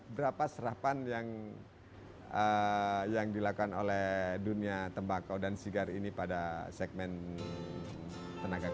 berapa serapan yang dilakukan oleh dunia tembakau dan sigar ini pada segmen tenaga kerja